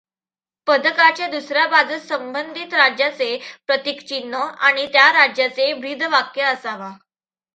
पदकाच्या दुसऱ्या बाजूस संबंधित राज्याचे प्रतीकचिन्ह आणि त्या राज्याचे ब्रीदवाक्य असावा.